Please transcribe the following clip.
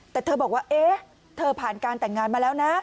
แต่เธอบอกว่าเอ๊ะเธอผ่านการแต่งงานมาแล้วนะ